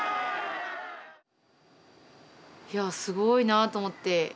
いやすごいなと思って。